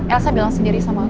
elsa bilang sendiri sama